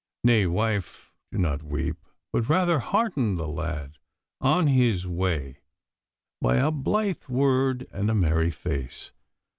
Nay, wife, do not weep, but rather hearten the lad on his way by a blithe word and a merry face.